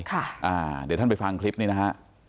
เดี๋ยวท่านไปฟังคลิปนี้นะฮะ